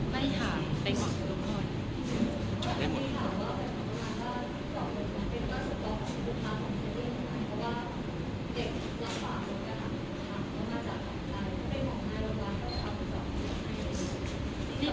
ไม่ค่ะเป็นหวังทุกคน